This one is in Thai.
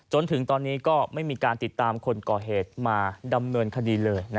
จนถึงตอนนี้ก็ไม่มีการติดตามคนก่อเหตุมาดำเนินคดีเลย